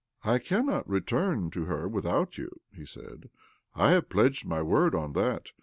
" I cannot return to her without you," he said. " I have pledged my word on that.